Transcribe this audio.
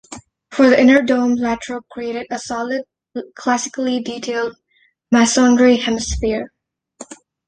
For the inner dome Latrobe created a solid, classically detailed masonry hemisphere.